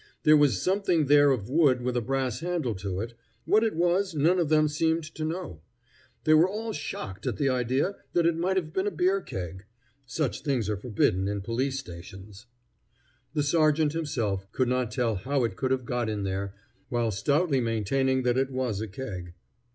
There was something there of wood with a brass handle to it. What it was none of them seemed to know. They were all shocked at the idea that it might have been a beer keg. Such things are forbidden in police stations. The sergeant himself could not tell how it could have got in there, while stoutly maintaining that it was a keg.